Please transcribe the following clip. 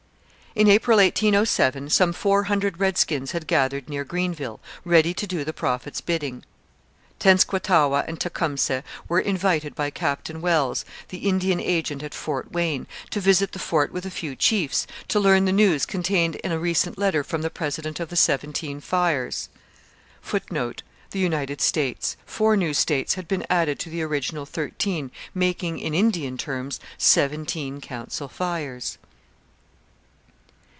In April 1807 some four hundred redskins had gathered near Greenville, ready to do the Prophet's bidding. Tenskwatawa and Tecumseh were invited by Captain Wells, the Indian agent at Fort Wayne, to visit the fort with a few chiefs, to learn the news contained in a recent letter from the president of the Seventeen Fires. [Footnote: The United States. Four new states had been added to the original thirteen, making, in Indian terms, seventeen council fires.